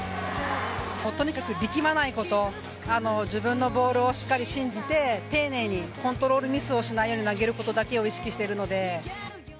とにかく力まないこと、自分のボールをしっかり信じて丁寧に、コントロールミスをしないように投げることだけを意識してるので。